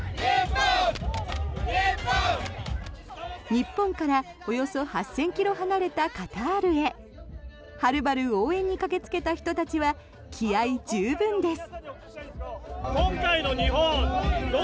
日本からおよそ８０００ｋｍ離れたカタールへはるばる応援に駆けつけた人たちは気合十分です。